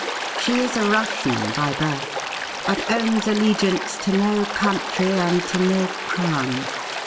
She is a Russian by birth, but owns allegiance to no country and to no crown.